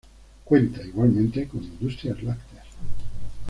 Cuenta, igualmente con industrias lácteas.